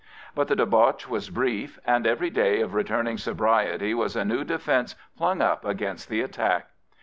But the debauch was brief, and every day of returning sobriety was a new defence flung up against the attack.